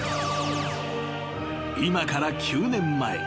［今から９年前］